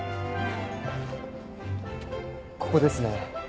ここですね。